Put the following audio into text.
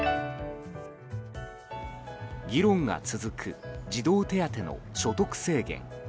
議論が続く児童手当の所得制限。